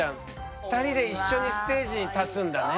２人で一緒にステージに立つんだね。